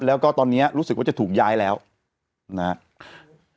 แล้วก็ตอนนี้รู้สึกว่าจะถูกย้ายแล้วนะครับ